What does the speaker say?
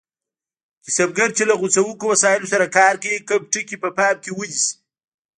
کسبګر چې له غوڅوونکو وسایلو سره کار کوي کوم ټکي په پام کې ونیسي؟